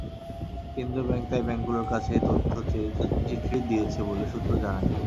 কেন্দ্রীয় ব্যাংক তাই ব্যাংকগুলোর কাছে তথ্য চেয়ে চিঠি দিয়েছে বলে সূত্র জানায়।